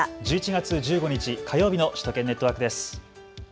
１１月１５日、火曜日の首都圏ネットワークです。